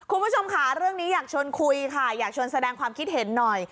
คุณผู้ชมค่ะเรื่องนี้อยากชวนคุยค่ะอยากชวนแสดงความคิดเห็นหน่อย